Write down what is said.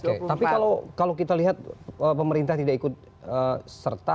oke tapi kalau kita lihat pemerintah tidak ikut serta